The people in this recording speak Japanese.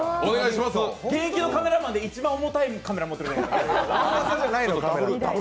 現役のカメラマンで一番重たいカメラ持っている。